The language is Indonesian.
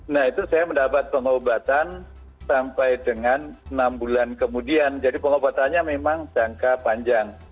nah itu saya mendapat pengobatan sampai dengan enam bulan kemudian jadi pengobatannya memang jangka panjang